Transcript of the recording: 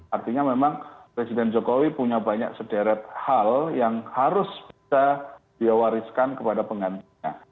artinya memang presiden jokowi punya banyak sederet hal yang harus bisa dia wariskan kepada penggantinya